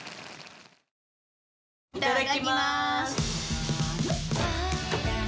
いただきます！